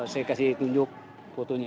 saya kasih tunjuk fotonya